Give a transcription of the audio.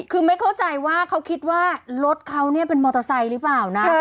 คือไม่เข้าใจว่าเขาคิดว่ารถเขาเนี่ยเป็นมอเตอร์ไซค์หรือเปล่านะ